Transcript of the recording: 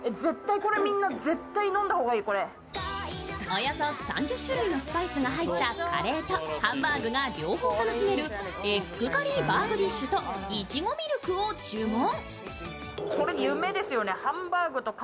およそ３０種類のスパイスが入ったカレーとハンバーグが両方楽しめるエッグカリーバーグディッシュとイチゴミルクを注文。